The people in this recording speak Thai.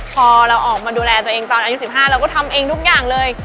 พอเราออกมาดูแลตัวเองตอนอายุ๑๕เราก็ทำเองทุกอย่างเลย